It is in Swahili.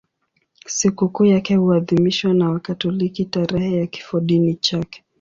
Sikukuu yake huadhimishwa na Wakatoliki tarehe ya kifodini chake.